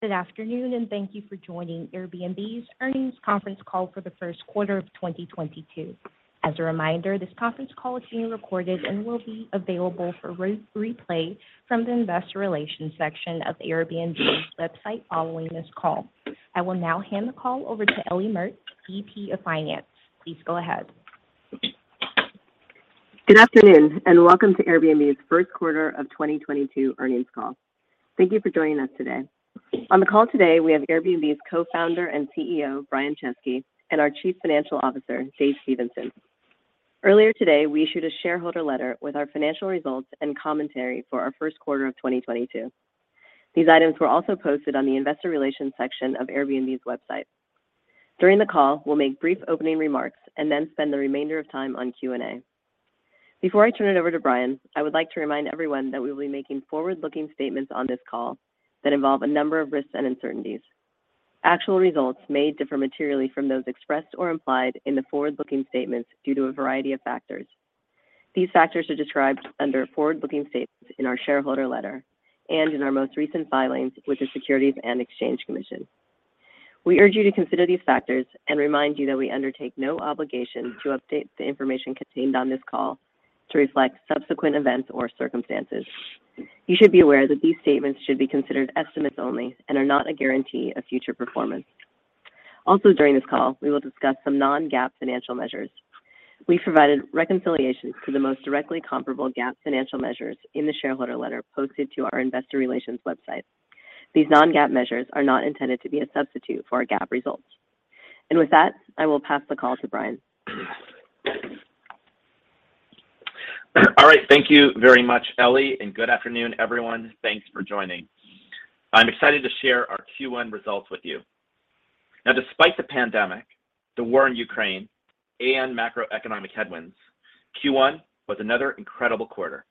Good afternoon, and thank you for joining Airbnb's earnings conference call for the first quarter of 2022. As a reminder, this conference call is being recorded and will be available for re-replay from the investor relations section of Airbnb's website following this call. I will now hand the call over to Ellie Mertz, VP of Finance. Please go ahead. Good afternoon, and welcome to Airbnb's first quarter of 2022 earnings call. Thank you for joining us today. On the call today, we have Airbnb's Co-founder and CEO, Brian Chesky, and our Chief Financial Officer, Dave Stephenson. Earlier today, we issued a shareholder letter with our financial results and commentary for our first quarter of 2022. These items were also posted on the investor relations section of Airbnb's website. During the call, we'll make brief opening remarks and then spend the remainder of time on Q&A. Before I turn it over to Brian, I would like to remind everyone that we will be making forward-looking statements on this call that involve a number of risks and uncertainties. Actual results may differ materially from those expressed or implied in the forward-looking statements due to a variety of factors. These factors are described under forward-looking statements in our shareholder letter and in our most recent filings with the Securities and Exchange Commission. We urge you to consider these factors and remind you that we undertake no obligation to update the information contained on this call to reflect subsequent events or circumstances. You should be aware that these statements should be considered estimates only and are not a guarantee of future performance. Also, during this call, we will discuss some non-GAAP financial measures. We provided reconciliations to the most directly comparable GAAP financial measures in the shareholder letter posted to our investor relations website. These non-GAAP measures are not intended to be a substitute for our GAAP results. With that, I will pass the call to Brian. All right. Thank you very much, Ellie. Good afternoon, everyone. Thanks for joining. I'm excited to share our Q1 results with you. Now, despite the pandemic, the war in Ukraine, and macroeconomic headwinds, Q1 was another incredible quarter.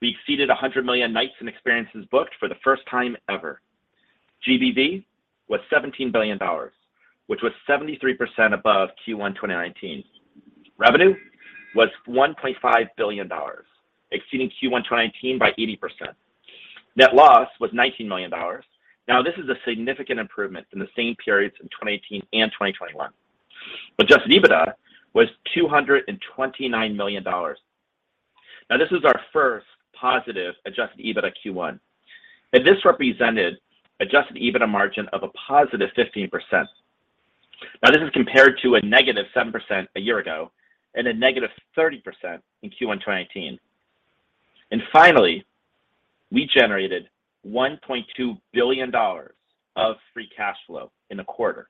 We exceeded 100 million nights and experiences booked for the first time ever. GBV was $17 billion, which was 73% above Q1 2019. Revenue was $1.5 billion, exceeding Q1 2019 by 80%. Net loss was $19 million. Now, this is a significant improvement from the same periods in 2018 and 2021. Adjusted EBITDA was $229 million. Now, this is our first positive adjusted EBITDA Q1, and this represented adjusted EBITDA margin of a positive 15%. Now, this is compared to a -7% a year ago and a -30% in Q1 2019. Finally, we generated $1.2 billion of free cash flow in the quarter.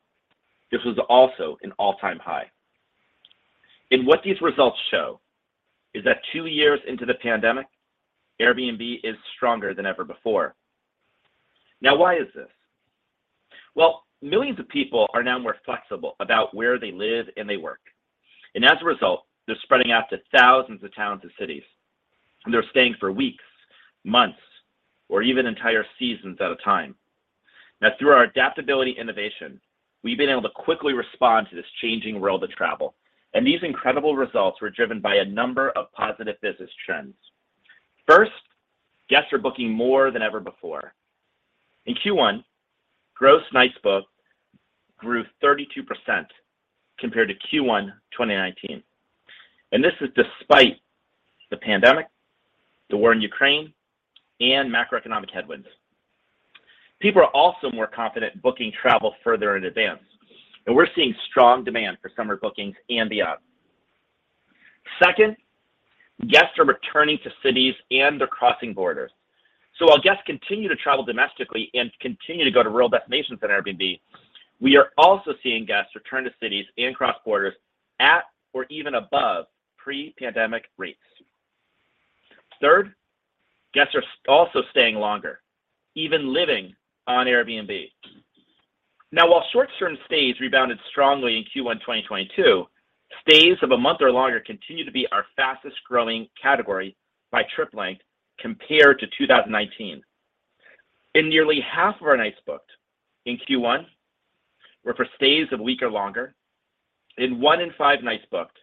This was also an all-time high. What these results show is that 2 years into the pandemic, Airbnb is stronger than ever before. Now, why is this? Well, millions of people are now more flexible about where they live and they work. As a result, they're spreading out to thousands of towns and cities, and they're staying for weeks, months, or even entire seasons at a time. Now, through our adaptability innovation, we've been able to quickly respond to this changing world of travel. These incredible results were driven by a number of positive business trends. First, guests are booking more than ever before. In Q1, gross nights booked grew 32% compared to Q1 2019. This is despite the pandemic, the war in Ukraine, and macroeconomic headwinds. People are also more confident booking travel further in advance, and we're seeing strong demand for summer bookings and beyond. Second, guests are returning to cities and they're crossing borders. While guests continue to travel domestically and continue to go to rural destinations on Airbnb, we are also seeing guests return to cities and cross borders at or even above pre-pandemic rates. Third, guests are also staying longer, even living on Airbnb. Now, while short-term stays rebounded strongly in Q1 2022, stays of a month or longer continue to be our fastest-growing category by trip length compared to 2019. Nearly half of our nights booked in Q1 were for stays of a week or longer, and one in five nights booked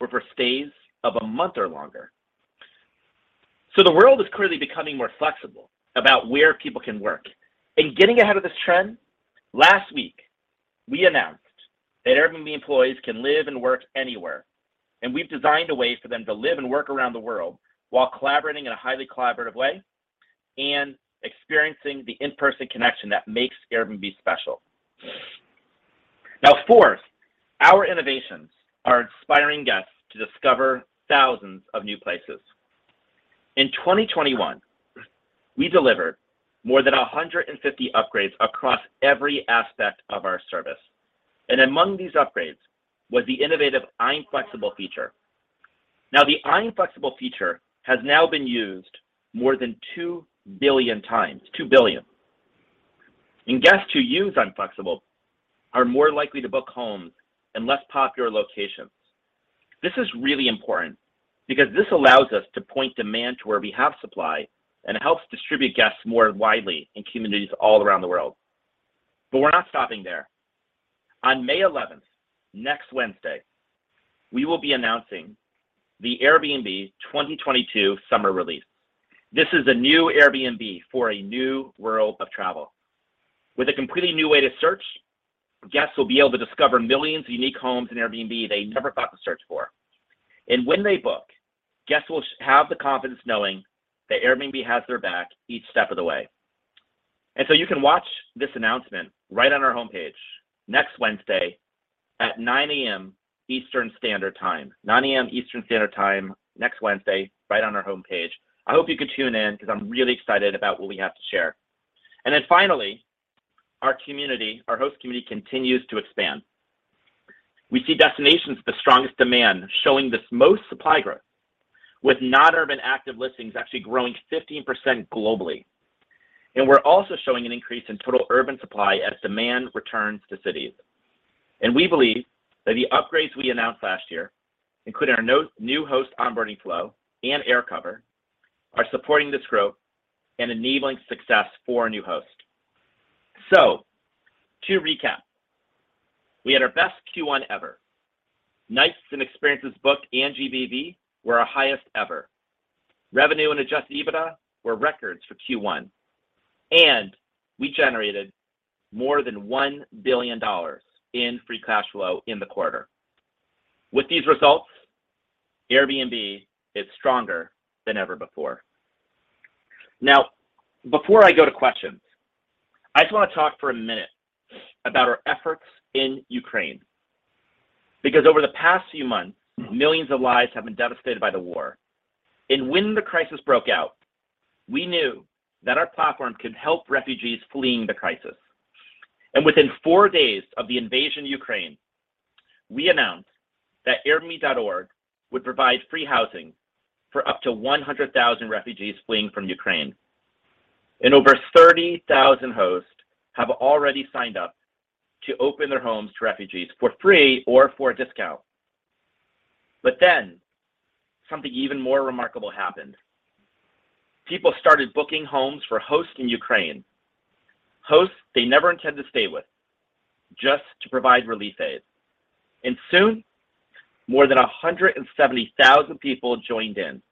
were for stays of a month or longer. The world is clearly becoming more flexible about where people can work. In getting ahead of this trend, last week, we announced that Airbnb employees can live and work anywhere, and we've designed a way for them to live and work around the world while collaborating in a highly collaborative way and experiencing the in-person connection that makes Airbnb special. Now, fourth, our innovations are inspiring guests to discover thousands of new places. In 2021, we delivered more than 150 upgrades across every aspect of our service. Among these upgrades was the innovative I'm Flexible feature. Now, the I'm Flexible feature has now been used more than 2 billion times. 2 billion. Guests who use I'm Flexible are more likely to book homes in less popular locations. This is really important because this allows us to point demand to where we have supply and helps distribute guests more widely in communities all around the world. We're not stopping there. On May eleventh, next Wednesday, we will be announcing the Airbnb 2022 summer release. This is a new Airbnb for a new world of travel. With a completely new way to search, guests will be able to discover millions of unique homes in Airbnb they never thought to search for. When they book, guests will have the confidence knowing that Airbnb has their back each step of the way. You can watch this announcement right on our homepage next Wednesday at 9:00 A.M. Eastern Standard Time. 9:00 A.M. Eastern Standard Time next Wednesday, right on our homepage. I hope you can tune in because I'm really excited about what we have to share. Finally, our community, our host community continues to expand. We see destinations with the strongest demand showing the most supply growth, with non-urban active listings actually growing 15% globally. We're also showing an increase in total urban supply as demand returns to cities. We believe that the upgrades we announced last year, including our new host onboarding flow and AirCover, are supporting this growth and enabling success for new hosts. To recap, we had our best Q1 ever. Nights and experiences booked and GBV were our highest ever. Revenue and adjusted EBITDA were records for Q1, and we generated more than $1 billion in free cash flow in the quarter. With these results, Airbnb is stronger than ever before. Now, before I go to questions, I just want to talk for a minute about our efforts in Ukraine because over the past few months, millions of lives have been devastated by the war. When the crisis broke out, we knew that our platform could help refugees fleeing the crisis. Within four days of the invasion of Ukraine, we announced that Airbnb.org would provide free housing for up to 100,000 refugees fleeing from Ukraine. Over 30,000 hosts have already signed up to open their homes to refugees for free or for a discount. Something even more remarkable happened. People started booking homes for hosts in Ukraine, hosts they never intend to stay with, just to provide relief aid. Soon, more than 170,000 people joined in,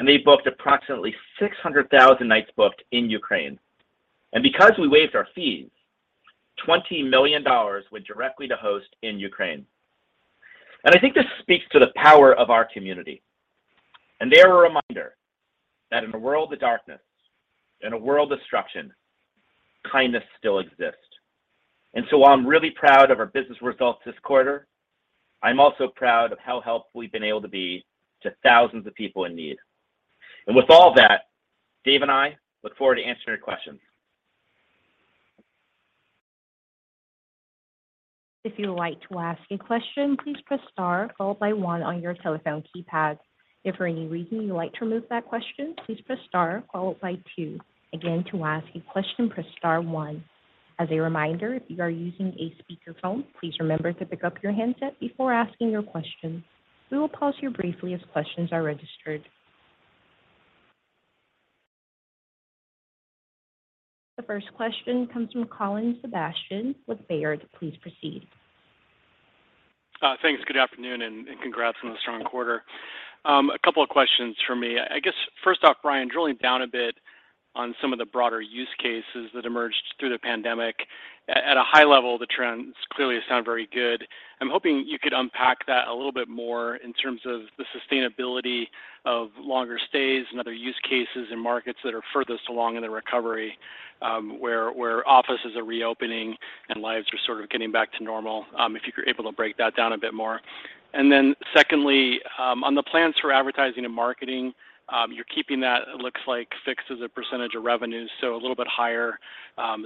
and they booked approximately 600,000 nights booked in Ukraine. Because we waived our fees, $20 million went directly to hosts in Ukraine. I think this speaks to the power of our community, and they are a reminder that in a world of darkness, in a world of destruction, kindness still exists. While I'm really proud of our business results this quarter, I'm also proud of how helpful we've been able to be to thousands of people in need. With all that, Dave and I look forward to answering your questions. If you would like to ask a question, please press star followed by one on your telephone keypad. If for any reason you would like to remove that question, please press star followed by two. Again, to ask a question, press star one. As a reminder, if you are using a speakerphone, please remember to pick up your handset before asking your question. We will pause here briefly as questions are registered. The first question comes from Colin Sebastian with Baird. Please proceed. Thanks. Good afternoon, and congrats on the strong quarter. A couple of questions from me. I guess first off, Brian, drilling down a bit on some of the broader use cases that emerged through the pandemic. At a high level, the trends clearly sound very good. I'm hoping you could unpack that a little bit more in terms of the sustainability of longer stays and other use cases in markets that are furthest along in the recovery, where offices are reopening and lives are sort of getting back to normal, if you're able to break that down a bit more. Secondly, on the plans for advertising and marketing, you're keeping that, it looks like, fixed as a percentage of revenue, so a little bit higher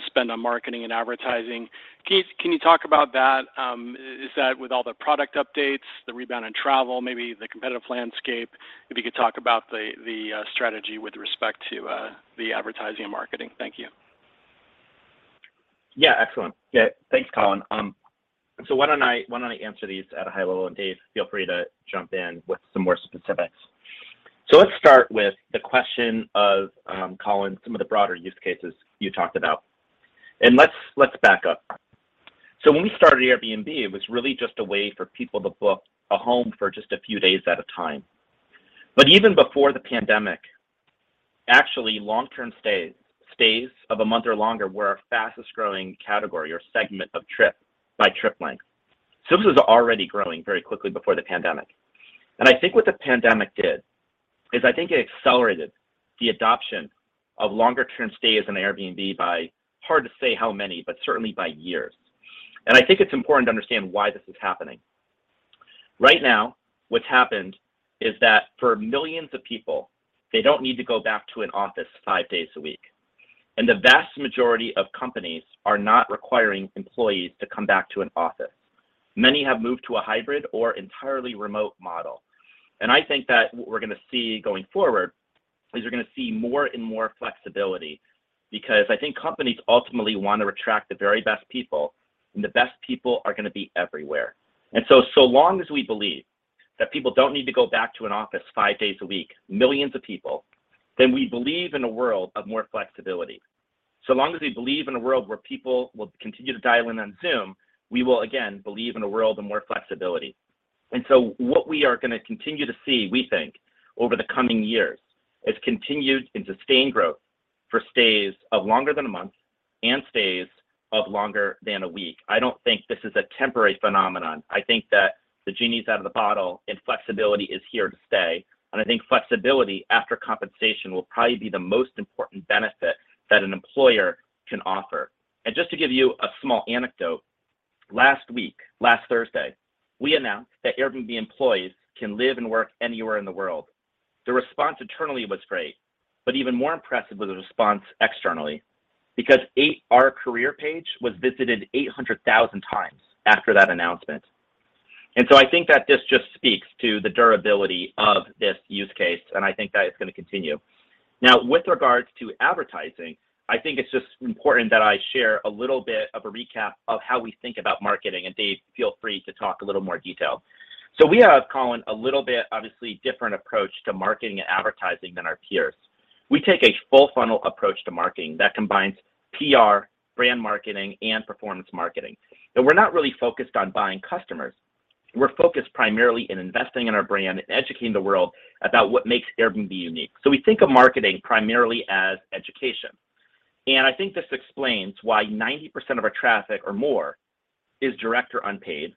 spend on marketing and advertising. Can you talk about that? Is that with all the product updates, the rebound in travel, maybe the competitive landscape? If you could talk about the strategy with respect to the advertising and marketing. Thank you. Yeah, excellent. Yeah. Thanks, Colin. Why don't I answer these at a high level, and Dave, feel free to jump in with some more specifics. Let's start with the question of, Colin, some of the broader use cases you talked about. Let's back up. When we started Airbnb, it was really just a way for people to book a home for just a few days at a time. Even before the pandemic, actually long-term stays of a month or longer were our fastest-growing category or segment of trip by trip length. This was already growing very quickly before the pandemic. I think what the pandemic did is it accelerated the adoption of longer-term stays on Airbnb by hard to say how many, but certainly by years. I think it's important to understand why this is happening. Right now, what's happened is that for millions of people, they don't need to go back to an office five days a week, and the vast majority of companies are not requiring employees to come back to an office. Many have moved to a hybrid or entirely remote model. I think that what we're gonna see going forward is we're gonna see more and more flexibility because I think companies ultimately want to attract the very best people, and the best people are gonna be everywhere. So long as we believe that people don't need to go back to an office five days a week, millions of people, then we believe in a world of more flexibility. So long as we believe in a world where people will continue to dial in on Zoom, we will again believe in a world of more flexibility. What we are gonna continue to see, we think, over the coming years is continued and sustained growth for stays of longer than a month and stays of longer than a week. I don't think this is a temporary phenomenon. I think that the genie's out of the bottle, and flexibility is here to stay, and I think flexibility after compensation will probably be the most important benefit that an employer can offer. Just to give you a small anecdote, last week, last Thursday, we announced that Airbnb employees can live and work anywhere in the world. The response internally was great, but even more impressive was the response externally because our career page was visited 800,000 times after that announcement. I think that this just speaks to the durability of this use case, and I think that it's gonna continue. Now, with regards to advertising, I think it's just important that I share a little bit of a recap of how we think about marketing. Dave, feel free to talk a little more in detail. We have, Colin, a little bit, obviously, different approach to marketing and advertising than our peers. We take a full-funnel approach to marketing that combines PR, brand marketing, and performance marketing. We're not really focused on buying customers. We're focused primarily in investing in our brand and educating the world about what makes Airbnb unique. We think of marketing primarily as education. I think this explains why 90% of our traffic or more is direct or unpaid.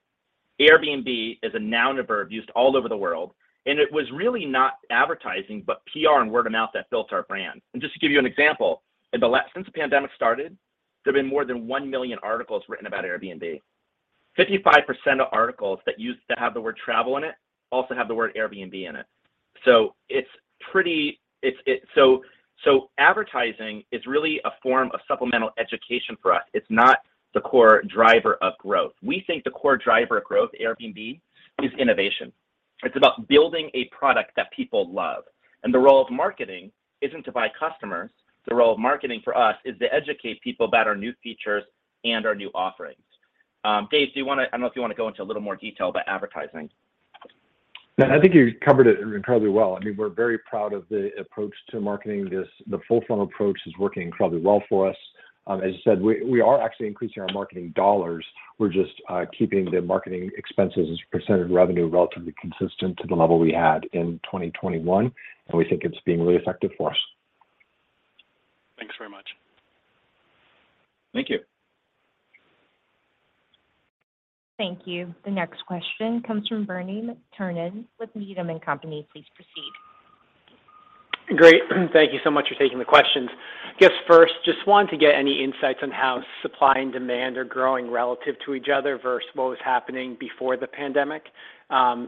Airbnb is a noun and verb used all over the world, and it was really not advertising, but PR and word of mouth that built our brand. Just to give you an example, since the pandemic started, there have been more than 1 million articles written about Airbnb. 55% of articles that have the word travel in it also have the word Airbnb in it. It's pretty. Advertising is really a form of supplemental education for us. It's not the core driver of growth. We think the core driver of growth at Airbnb is innovation. It's about building a product that people love. The role of marketing isn't to buy customers. The role of marketing for us is to educate people about our new features and our new offerings. Dave, I don't know if you wanna go into a little more detail about advertising. No, I think you covered it incredibly well. I mean, we're very proud of the approach to marketing. This, the full-funnel approach is working incredibly well for us. As you said, we are actually increasing our marketing dollars. We're just keeping the marketing expenses as a percentage of revenue relatively consistent to the level we had in 2021, and we think it's being really effective for us. Thanks very much. Thank you. Thank you. The next question comes from Bernie McTernan with Needham & Company. Please proceed. Great. Thank you so much for taking the questions. Just first, just wanted to get any insights on how supply and demand are growing relative to each other versus what was happening before the pandemic.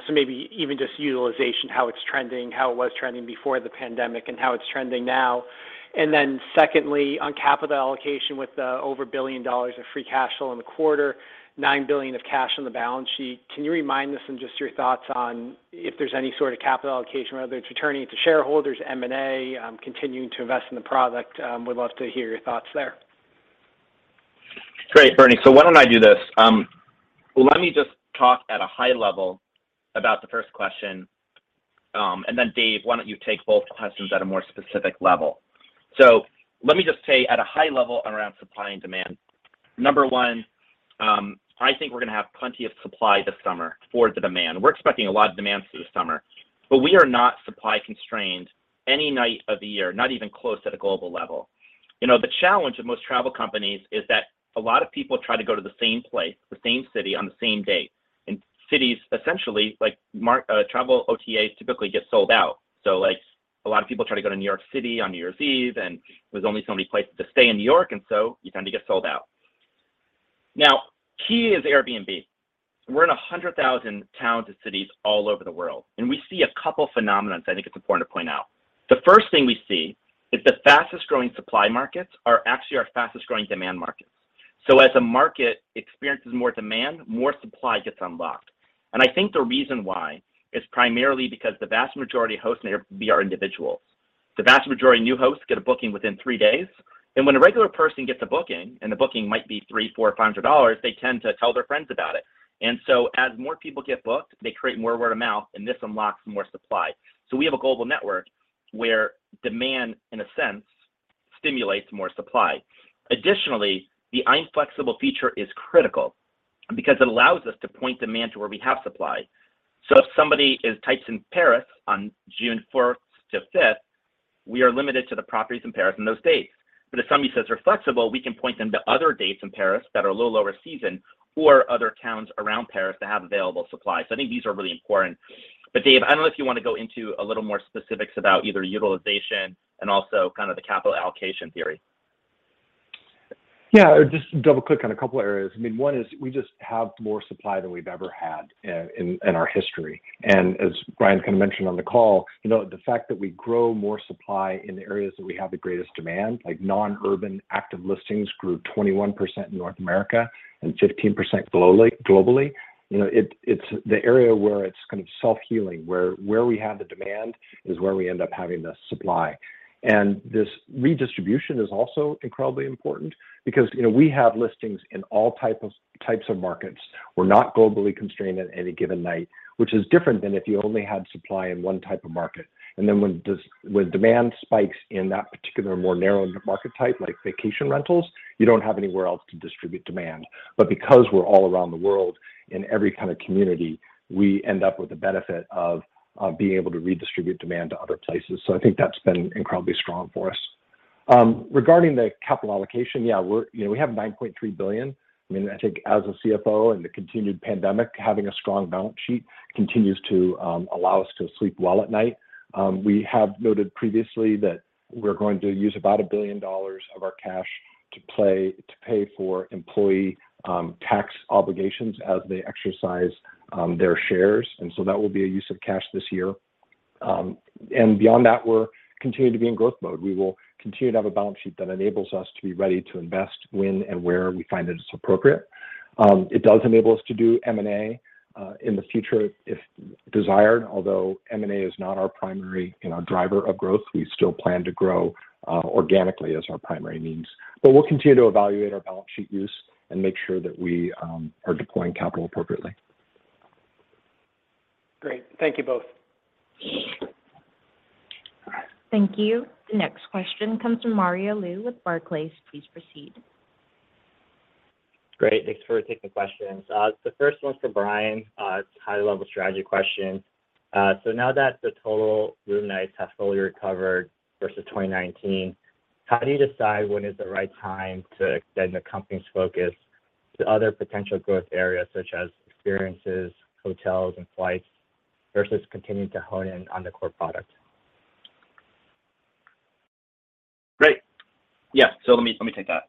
Maybe even just utilization, how it's trending, how it was trending before the pandemic and how it's trending now. Secondly, on capital allocation with over $1 billion of free cash flow in the quarter, $9 billion of cash on the balance sheet, can you remind us and just your thoughts on if there's any sort of capital allocation, whether it's returning it to shareholders, M&A, continuing to invest in the product? Would love to hear your thoughts there. Great, Bernie. Why don't I do this? Let me just talk at a high level about the first question. Then Dave, why don't you take both questions at a more specific level. Let me just say at a high level around supply and demand, number one, I think we're gonna have plenty of supply this summer for the demand. We're expecting a lot of demand for the summer, but we are not supply constrained any night of the year, not even close at a global level. You know, the challenge of most travel companies is that a lot of people try to go to the same place, the same city, on the same date. Cities essentially, like travel OTAs typically get sold out. Like, a lot of people try to go to New York City on New Year's Eve, and there's only so many places to stay in New York, and so you tend to get sold out. Now, key is Airbnb. We're in 100,000 towns and cities all over the world, and we see a couple phenomena I think it's important to point out. The first thing we see is the fastest-growing supply markets are actually our fastest-growing demand markets. As a market experiences more demand, more supply gets unlocked. I think the reason why is primarily because the vast majority of hosts in Airbnb are individuals. The vast majority of new hosts get a booking within three days. When a regular person gets a booking, and the booking might be $300, $400, $500, they tend to tell their friends about it. As more people get booked, they create more word of mouth, and this unlocks more supply. We have a global network where demand, in a sense, stimulates more supply. Additionally, the I'm Flexible feature is critical because it allows us to point demand to where we have supply. If somebody types in Paris on June fourth to fifth, we are limited to the properties in Paris on those dates. If somebody says they're flexible, we can point them to other dates in Paris that are a little lower season or other towns around Paris that have available supply. I think these are really important. Dave, I don't know if you want to go into a little more specifics about either utilization and also kind of the capital allocation theory. Yeah. Just double-click on a couple areas. I mean, one is we just have more supply than we've ever had in our history. As Brian kind of mentioned on the call, you know, the fact that we grow more supply in the areas that we have the greatest demand, like non-urban active listings grew 21% in North America and 15% globally. You know, it's the area where it's kind of self-healing, where we have the demand is where we end up having the supply. This redistribution is also incredibly important because, you know, we have listings in all types of markets. We're not globally constrained at any given night, which is different than if you only had supply in one type of market. When demand spikes in that particular more narrowed market type, like vacation rentals, you don't have anywhere else to distribute demand. Because we're all around the world in every kind of community, we end up with the benefit of being able to redistribute demand to other places. I think that's been incredibly strong for us. Regarding the capital allocation, you know, we have $9.3 billion. I mean, I think as a CFO in the continued pandemic, having a strong balance sheet continues to allow us to sleep well at night. We have noted previously that we're going to use about $1 billion of our cash to pay for employee tax obligations as they exercise their shares. That will be a use of cash this year. Beyond that, we're continuing to be in growth mode. We will continue to have a balance sheet that enables us to be ready to invest when and where we find that it's appropriate. It does enable us to do M&A in the future if desired, although M&A is not our primary, you know, driver of growth. We still plan to grow organically as our primary means. We'll continue to evaluate our balance sheet use and make sure that we are deploying capital appropriately. Great. Thank you both. Thank you. The next question comes from Mario Lu with Barclays. Please proceed. Great. Thanks for taking the questions. The first one's for Brian. It's a high-level strategy question. Now that the total room nights have fully recovered versus 2019, how do you decide when is the right time to extend the company's focus to other potential growth areas such as experiences, hotels, and flights versus continuing to hone in on the core product? Great. Yeah. Let me take that.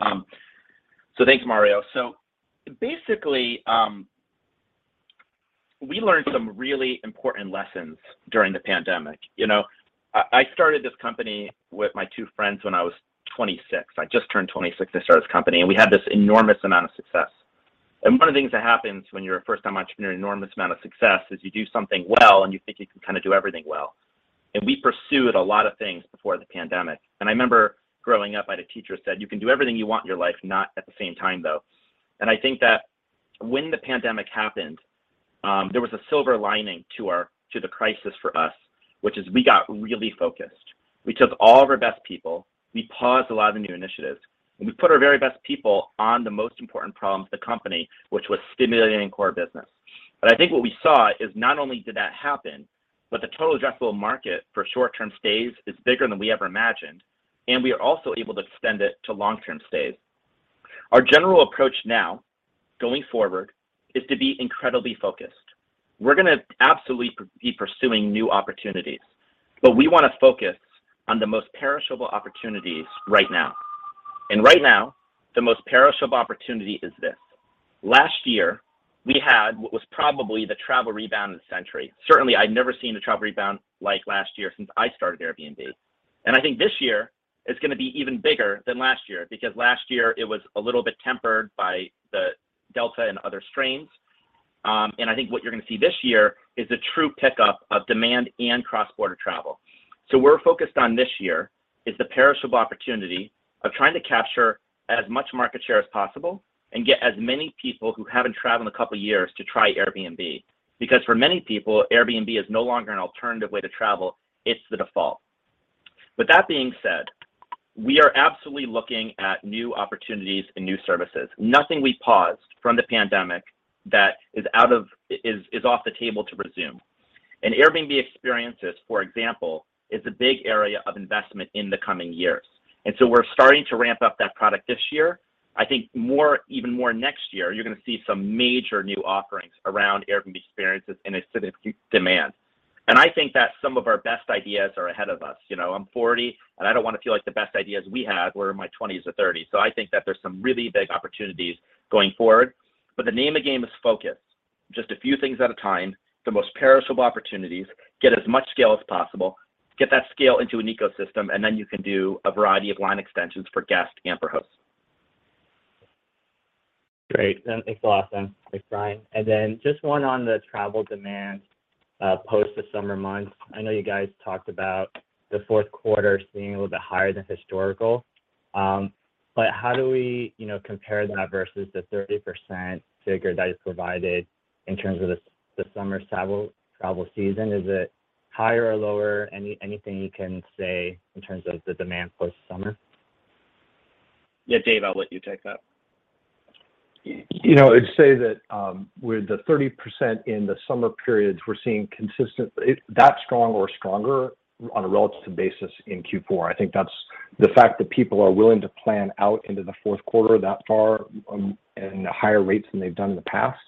Thanks, Mario. Basically, we learned some really important lessons during the pandemic. You know, I started this company with my two friends when I was 26. I just turned 26, I started this company, and we had this enormous amount of success. One of the things that happens when you're a first-time entrepreneur, enormous amount of success, is you do something well, and you think you can kind of do everything well. We pursued a lot of things before the pandemic. I remember growing up, I had a teacher who said, "You can do everything you want in your life, not at the same time, though." I think that when the pandemic happened, there was a silver lining to the crisis for us, which is we got really focused. We took all of our best people, we paused a lot of the new initiatives, and we put our very best people on the most important problems of the company, which was stimulating core business. I think what we saw is not only did that happen, but the total addressable market for short-term stays is bigger than we ever imagined, and we are also able to extend it to long-term stays. Our general approach now going forward is to be incredibly focused. We're gonna absolutely be pursuing new opportunities, but we wanna focus on the most perishable opportunities right now. Right now, the most perishable opportunity is this. Last year, we had what was probably the travel rebound of the century. Certainly, I'd never seen a travel rebound like last year since I started Airbnb. I think this year is gonna be even bigger than last year, because last year it was a little bit tempered by the Delta and other strains. I think what you're gonna see this year is a true pickup of demand and cross-border travel. We're focused on this year is the perishable opportunity of trying to capture as much market share as possible and get as many people who haven't traveled in a couple of years to try Airbnb. Because for many people, Airbnb is no longer an alternative way to travel, it's the default. With that being said, we are absolutely looking at new opportunities and new services. Nothing we paused from the pandemic is off the table to resume. Airbnb Experiences, for example, is a big area of investment in the coming years. We're starting to ramp up that product this year. I think more, even more next year, you're gonna see some major new offerings around Airbnb Experiences and a significant demand. I think that some of our best ideas are ahead of us. You know, I'm 40, and I don't wanna feel like the best ideas we had were in my twenties or thirties. I think that there's some really big opportunities going forward. The name of the game is focus. Just a few things at a time, the most perishable opportunities, get as much scale as possible, get that scale into an ecosystem, and then you can do a variety of line extensions for guests and for hosts. Great. That's awesome. Thanks, Brian. Just one on the travel demand post the summer months. I know you guys talked about the fourth quarter being a little bit higher than historical. How do we, you know, compare that versus the 30% figure that is provided in terms of the summer travel season? Is it higher or lower? Anything you can say in terms of the demand post-summer? Yeah. Dave, I'll let you take that. You know, I'd say that, with the 30% in the summer periods, we're seeing consistent, that strong or stronger on a relative basis in Q4. I think that's the fact that people are willing to plan out into the fourth quarter that far, and at higher rates than they've done in the past,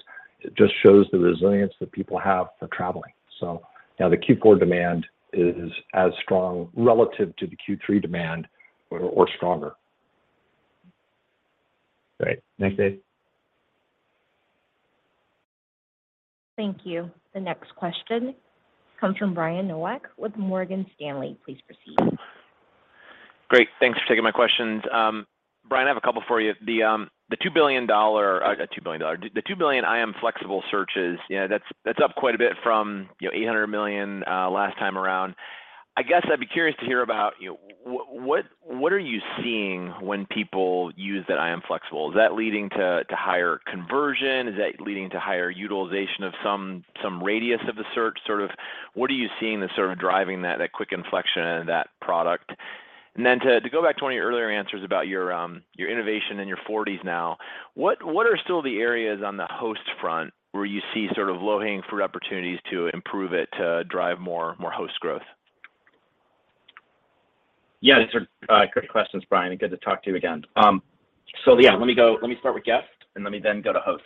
it just shows the resilience that people have for traveling. Yeah, the Q4 demand is as strong relative to the Q3 demand or stronger. Great. Thanks, Dave. Thank you. The next question comes from Brian Nowak with Morgan Stanley. Please proceed. Great. Thanks for taking my questions. Brian, I have a couple for you. The 2 billion I'm Flexible searches, you know, that's up quite a bit from, you know, 800 million last time around. I guess I'd be curious to hear about, you know, what are you seeing when people use that I'm Flexible? Is that leading to higher conversion? Is that leading to higher utilization of some radius of the search, sort of? What are you seeing that's sort of driving that quick inflection in that product? Then to go back to one of your earlier answers about your innovation in your 40s now. What are still the areas on the host front where you see sort of low-hanging fruit opportunities to improve it to drive more host growth? Yeah, these are great questions, Brian, and good to talk to you again. Yeah, let me start with guest, and let me then go to host.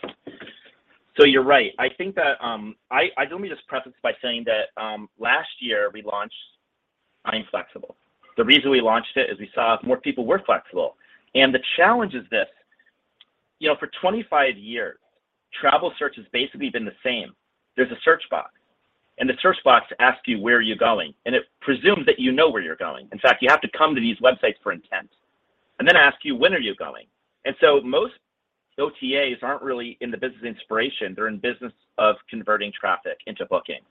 You're right. I think that I only just preface by saying that last year we launched I'm Flexible. The reason we launched it is we saw more people were flexible. The challenge is this, you know, for 25 years, travel search has basically been the same. There's a search box, and the search box asks you where are you going, and it presumes that you know where you're going. In fact, you have to come to these websites for intent. Asks you when are you going. Most OTAs aren't really in the business of inspiration, they're in the business of converting traffic into booking.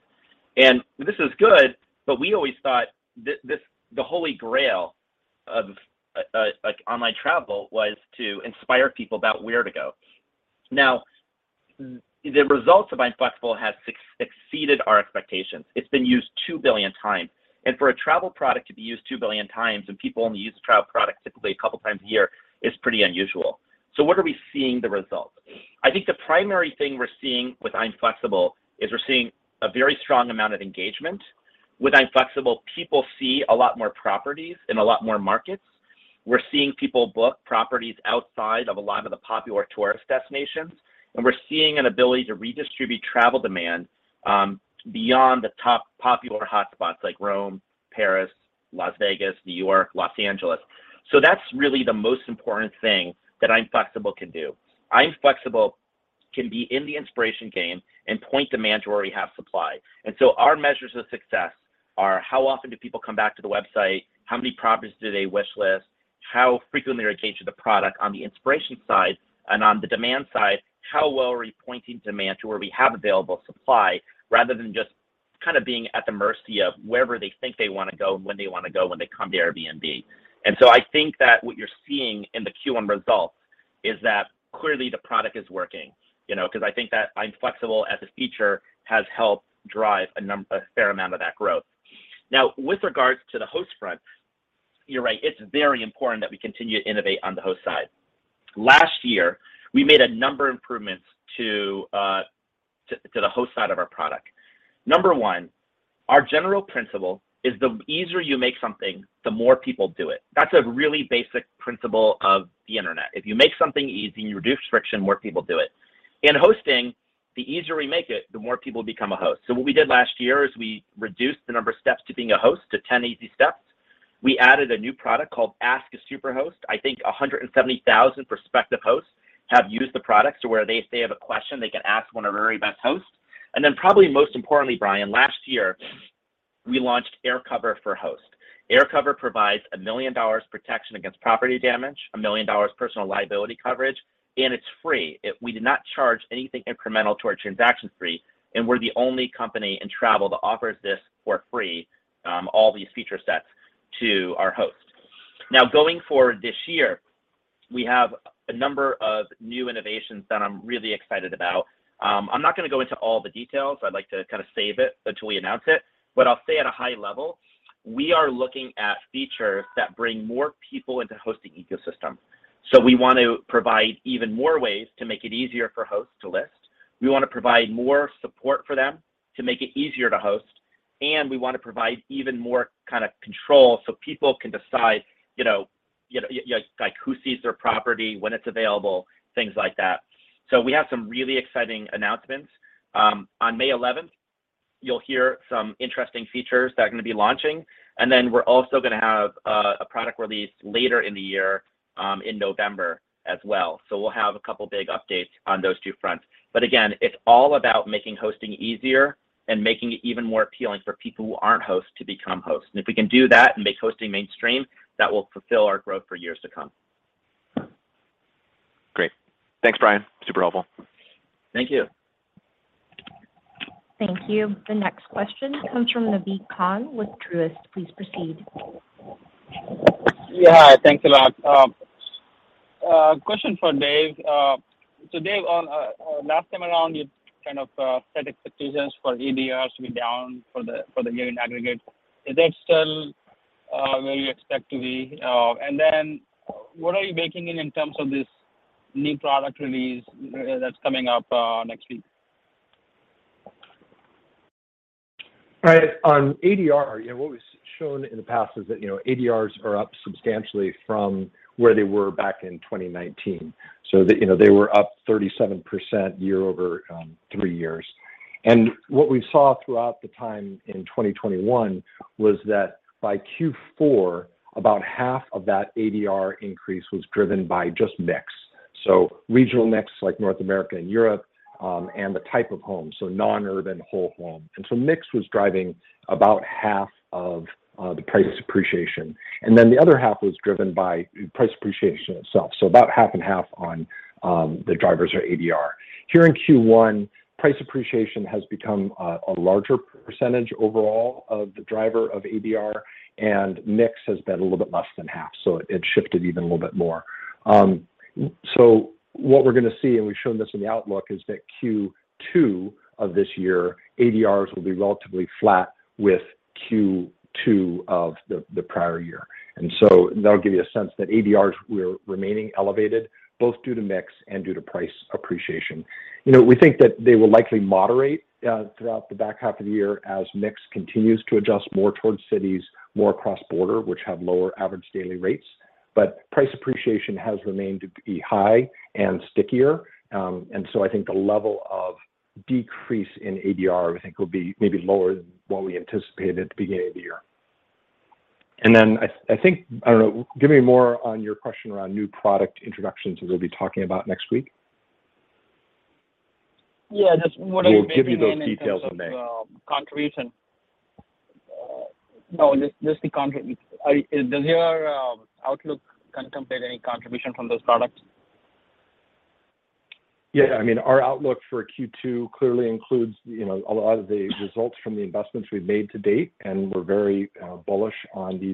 This is good, but we always thought this, the holy grail of like online travel was to inspire people about where to go. Now, the results of I'm Flexible has succeeded our expectations. It's been used 2 billion times. For a travel product to be used 2 billion times, and people only use a travel product typically a couple times a year, is pretty unusual. What are we seeing the results? I think the primary thing we're seeing with I'm Flexible is we're seeing a very strong amount of engagement. With I'm Flexible, people see a lot more properties in a lot more markets. We're seeing people book properties outside of a lot of the popular tourist destinations, and we're seeing an ability to redistribute travel demand, beyond the top popular hotspots like Rome, Paris, Las Vegas, New York, Los Angeles. That's really the most important thing that I'm Flexible can do. I'm Flexible can be in the inspiration game and point demand to where we have supply. Our measures of success are how often do people come back to the website, how many properties do they wish list, how frequently are they engaged with the product on the inspiration side. On the demand side, how well are we pointing demand to where we have available supply, rather than just kind of being at the mercy of wherever they think they wanna go and when they wanna go when they come to Airbnb. I think that what you're seeing in the Q1 results is that clearly the product is working, you know. Because I think that I'm Flexible as a feature has helped drive a fair amount of that growth. Now, with regards to the host front, you're right, it's very important that we continue to innovate on the host side. Last year, we made a number of improvements to the host side of our product. Number one, our general principle is the easier you make something, the more people do it. That's a really basic principle of the internet. If you make something easy and you reduce friction, more people do it. In hosting, the easier we make it, the more people become a host. So what we did last year is we reduced the number of steps to being a host to 10 easy steps. We added a new product called Ask a Superhost. I think 170,000 prospective hosts have used the product to where they, if they have a question, they can ask one of our very best hosts. Probably most importantly, Brian, last year, we launched AirCover for Hosts. AirCover provides $1 million protection against property damage, $1 million personal liability coverage, and it's free. We do not charge anything incremental to our transaction fee, and we're the only company in travel that offers this for free, all these feature sets to our hosts. Now, going forward this year, we have a number of new innovations that I'm really excited about. I'm not gonna go into all the details. I'd like to kind of save it until we announce it. I'll say at a high level, we are looking at features that bring more people into hosting ecosystem. We want to provide even more ways to make it easier for hosts to list. We wanna provide more support for them to make it easier to host, and we wanna provide even more kind of control so people can decide, you know, yeah, like who sees their property, when it's available, things like that. We have some really exciting announcements. On May eleventh, you'll hear some interesting features that are gonna be launching, and then we're also gonna have a product release later in the year, in November as well. We'll have a couple big updates on those two fronts. Again, it's all about making hosting easier and making it even more appealing for people who aren't hosts to become hosts. If we can do that and make hosting mainstream, that will fulfill our growth for years to come. Great. Thanks, Brian. Super helpful. Thank you. Thank you. The next question comes from Naved Khan with Truist. Please proceed. Yeah. Thanks a lot. Question for Dave. Dave, on last time around, you kind of set expectations for ADRs to be down for the year in aggregate. Is that still where you expect to be? What are you baking in terms of this new product release that's coming up next week? Right. On ADR, you know, what was shown in the past is that, you know, ADRs are up substantially from where they were back in 2019. They, you know, they were up 37% year-over-year over three years. What we saw throughout the time in 2021 was that by Q4, about half of that ADR increase was driven by just mix. Regional mix like North America and Europe, and the type of home, so non-urban whole home. Mix was driving about half of the price appreciation. The other half was driven by price appreciation itself, so about half and half on the drivers of ADR. Here in Q1, price appreciation has become a larger percentage overall of the driver of ADR, and mix has been a little bit less than half, so it shifted even a little bit more. What we're gonna see, and we've shown this in the outlook, is that Q2 of this year, ADRs will be relatively flat with Q2 of the prior year. That'll give you a sense that ADRs were remaining elevated, both due to mix and due to price appreciation. You know, we think that they will likely moderate throughout the back half of the year as mix continues to adjust more towards cities, more cross-border, which have lower average daily rates. Price appreciation has remained high and stickier. I think the level of decrease in ADR will be maybe lower than what we anticipated at the beginning of the year. I don't know. Give me more on your question around new product introductions that we'll be talking about next week. Yeah, just what are you maybe seeing? We'll give you those details in May. in terms of contribution? Does your outlook contemplate any contribution from those products? Yeah. I mean, our outlook for Q2 clearly includes, you know, a lot of the results from the investments we've made to date, and we're very bullish on these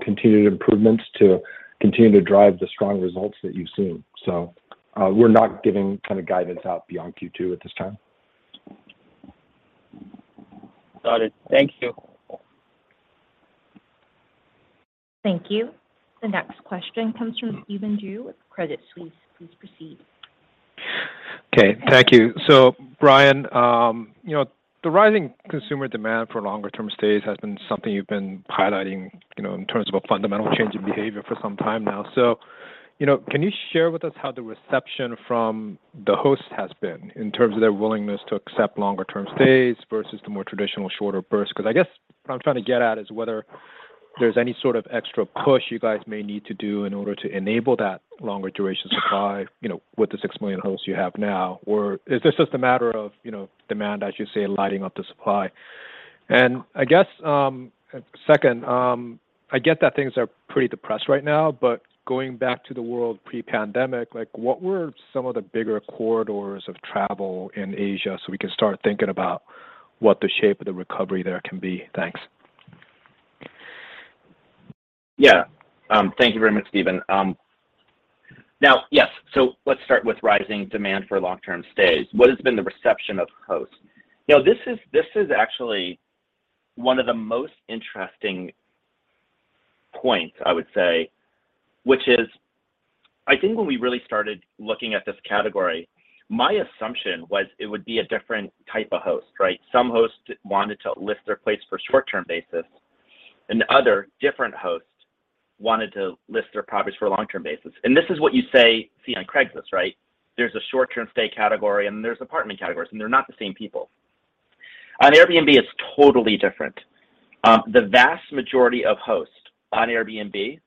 continued improvements to continue to drive the strong results that you've seen. We're not giving kind of guidance out beyond Q2 at this time. Got it. Thank you. Thank you. The next question comes from Stephen Ju with Credit Suisse. Please proceed. Okay. Thank you. Brian, you know, the rising consumer demand for longer term stays has been something you've been highlighting, you know, in terms of a fundamental change in behavior for some time now. You know, can you share with us how the reception from the host has been in terms of their willingness to accept longer term stays versus the more traditional shorter bursts? Because I guess what I'm trying to get at is whether there's any sort of extra push you guys may need to do in order to enable that longer duration supply, you know, with the 6 million hosts you have now. Is this just a matter of, you know, demand, as you say, lighting up the supply? I guess, second, I get that things are pretty depressed right now, but going back to the world pre-pandemic, like what were some of the bigger corridors of travel in Asia, so we can start thinking about what the shape of the recovery there can be. Thanks. Yeah. Thank you very much, Stephen. Now, yes. Let's start with rising demand for long-term stays. What has been the reception of hosts? You know, this is actually one of the most interesting points, I would say. Which is, I think when we really started looking at this category, my assumption was it would be a different type of host, right? Some hosts wanted to list their place for short-term basis, and other different hosts wanted to list their properties for a long-term basis. This is what you see on Craigslist, right? There's a short-term stay category, and there's apartment categories, and they're not the same people. On Airbnb, it's totally different. The vast majority of hosts on Airbnb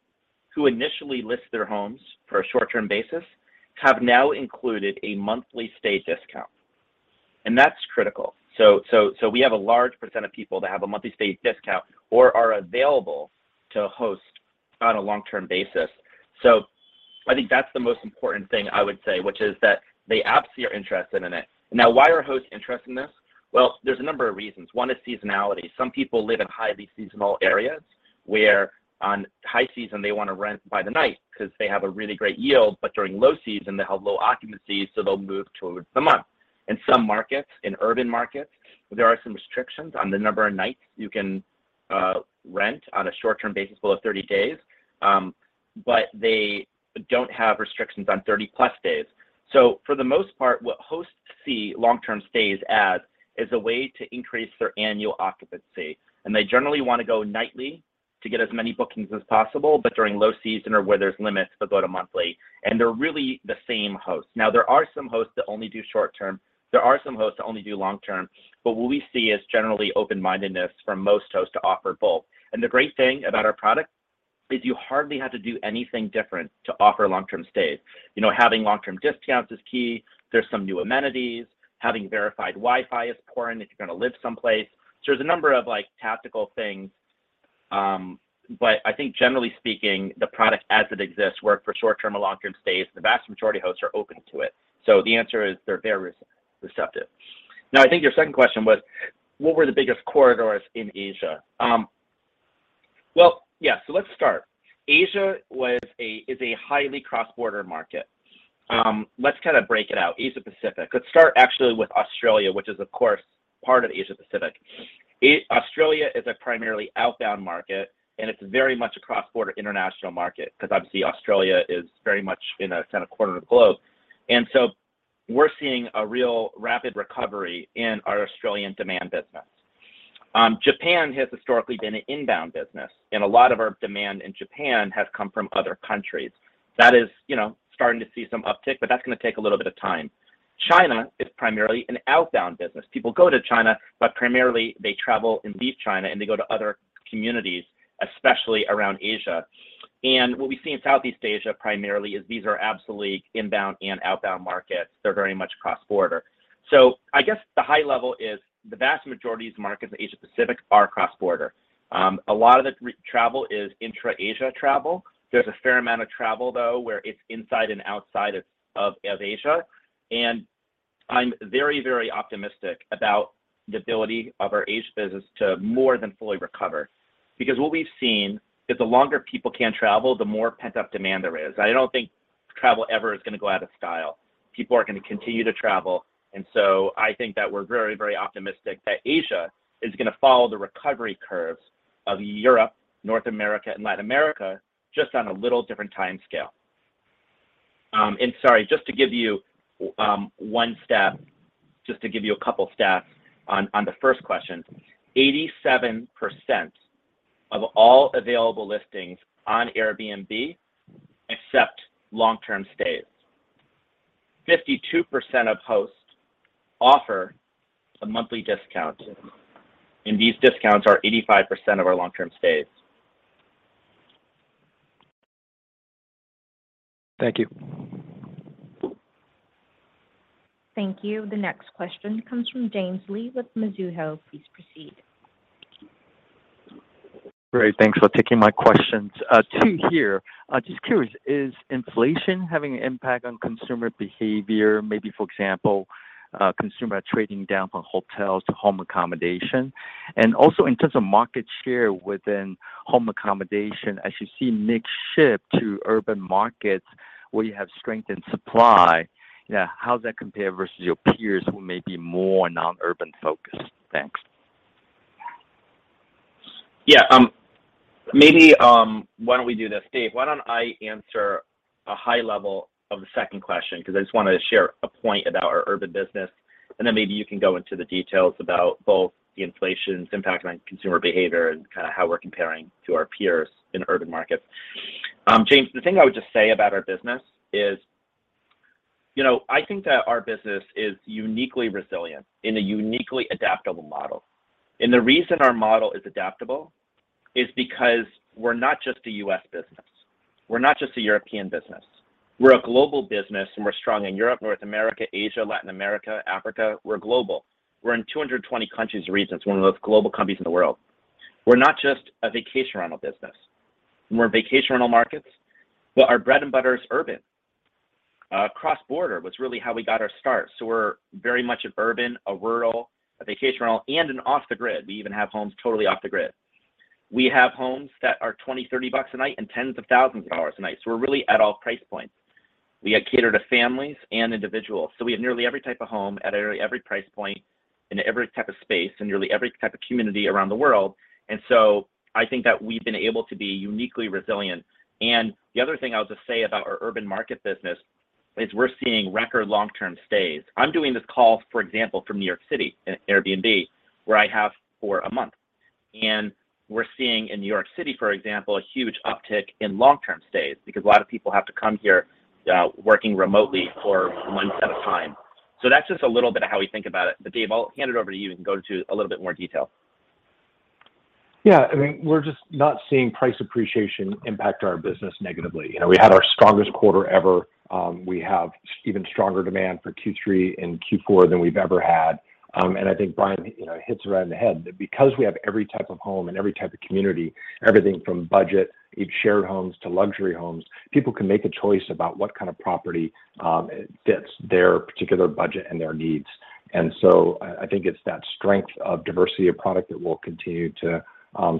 who initially list their homes for a short-term basis have now included a monthly stay discount, and that's critical. We have a large percent of people that have a monthly stay discount or are available to host on a long-term basis. I think that's the most important thing I would say, which is that they absolutely are interested in it. Now, why are hosts interested in this? Well, there's a number of reasons. One is seasonality. Some people live in highly seasonal areas where on high season they want to rent by the night because they have a really great yield, but during low season they have low occupancy, so they'll move towards the month. In some markets, in urban markets, there are some restrictions on the number of nights you can rent on a short-term basis below 30 days. But they don't have restrictions on 30+ days. For the most part, what hosts see long-term stays as is a way to increase their annual occupancy, and they generally want to go nightly to get as many bookings as possible. During low season or where there's limits, they'll go to monthly, and they're really the same hosts. Now, there are some hosts that only do short term. There are some hosts that only do long term. What we see is generally open-mindedness from most hosts to offer both. The great thing about our product is you hardly have to do anything different to offer long-term stays. You know, having long-term discounts is key. There's some new amenities. Having verified Wi-Fi is important if you're going to live someplace. There's a number of like tactical things. I think generally speaking, the product as it exists work for short-term or long-term stays. The vast majority of hosts are open to it. The answer is they're very receptive. Now, I think your second question was what were the biggest corridors in Asia? Well, yeah. Let's start. Asia is a highly cross-border market. Let's kind of break it out. Asia-Pacific. Let's start actually with Australia, which is of course part of the Asia-Pacific. Australia is a primarily outbound market, and it's very much a cross-border international market because obviously Australia is very much in a kind of corner of the globe. We're seeing a real rapid recovery in our Australian demand business. Japan has historically been an inbound business, and a lot of our demand in Japan has come from other countries. That is, you know, starting to see some uptick, but that's going to take a little bit of time. China is primarily an outbound business. People go to China, but primarily they travel and leave China, and they go to other communities, especially around Asia. What we see in Southeast Asia primarily is these are absolutely inbound and outbound markets. They're very much cross-border. I guess the high level is the vast majority of these markets in Asia-Pacific are cross-border. A lot of the travel is intra-Asia travel. There's a fair amount of travel, though, where it's inside and outside of Asia. I'm very, very optimistic about the ability of our Asia business to more than fully recover. Because what we've seen is the longer people can't travel, the more pent-up demand there is. I don't think travel ever is going to go out of style. People are going to continue to travel, and so I think that we're very, very optimistic that Asia is going to follow the recovery curves of Europe, North America, and Latin America, just on a little different timescale. Sorry, just to give you a couple stats on the first question. 87% of all available listings on Airbnb accept long-term stays. 52% of hosts offer a monthly discount, and these discounts are 85% of our long-term stays. Thank you. Thank you. The next question comes from James Lee with Mizuho. Please proceed. Great. Thanks for taking my questions. Two here. Just curious, is inflation having an impact on consumer behavior, maybe for example, consumer trading down from hotels to home accommodation? Also in terms of market share within home accommodation, as you see mix shift to urban markets where you have strength in supply, how does that compare versus your peers who may be more non-urban focused? Thanks. Why don't we do this. Dave, why don't I answer a high level of the second question because I just wanted to share a point about our urban business, and then maybe you can go into the details about both the inflation's impact on consumer behavior and kind of how we're comparing to our peers in urban markets. James, the thing I would just say about our business is, you know, I think that our business is uniquely resilient in a uniquely adaptable model. The reason our model is adaptable is because we're not just a US business, we're not just a European business, we're a global business, and we're strong in Europe, North America, Asia, Latin America, Africa. We're global. We're in 220 countries and regions. One of the most global companies in the world. We're not just a vacation rental business. We're in vacation rental markets, but our bread and butter is urban. Cross-border was really how we got our start, so we're very much an urban, a rural, a vacation rental, and an off the grid. We even have homes totally off the grid. We have homes that are $20, $30 a night and tens of thousands of dollars a night, so we're really at all price points. We cater to families and individuals, so we have nearly every type of home at nearly every price point in every type of space, in nearly every type of community around the world. I think that we've been able to be uniquely resilient. The other thing I'll just say about our urban market business is we're seeing record long-term stays. I'm doing this call, for example, from New York City in an Airbnb where I have for a month. We're seeing in New York City, for example, a huge uptick in long-term stays because a lot of people have to come here, working remotely for months at a time. That's just a little bit of how we think about it. Dave, I'll hand it over to you and go into a little bit more detail. Yeah, I mean, we're just not seeing price appreciation impact our business negatively. You know, we had our strongest quarter ever. We have even stronger demand for Q3 and Q4 than we've ever had. I think Brian, you know, hits the nail on the head, that because we have every type of home and every type of community, everything from budget, even shared homes to luxury homes, people can make a choice about what kind of property fits their particular budget and their needs. I think it's that strength of diversity of product that will continue to